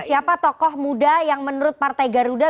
siapa tokoh muda yang menurut partai garuda